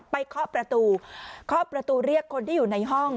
เคาะประตูเคาะประตูเรียกคนที่อยู่ในห้อง